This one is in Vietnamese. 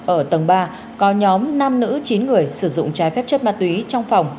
ở tầng ba có nhóm nam nữ chín người sử dụng trái phép chất ma túy trong phòng